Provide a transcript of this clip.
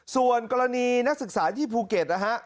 ส่วนกรณีนักศึกษาที่ภูเก็ตนะฮะ